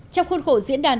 trong khuôn khổ diễn đàn